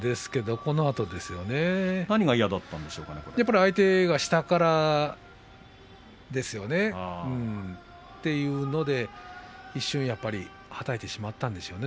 このあとですね相手が下からですよねというので、一瞬はたいてしまったんでしょうね